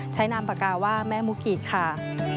นามปากกาว่าแม่มุกีค่ะ